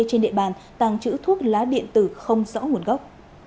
trên địa bàn tàng trữ thuốc lá điện tử không rõ nguồn gốc